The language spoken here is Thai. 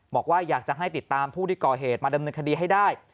บอกว่าอยากจะให้ติดตามผู้ที่ก่อเหตุมาดำเนินคดีให้ได้